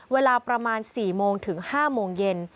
เวลาประมาณ๔โมงถึง๕โมงเย็น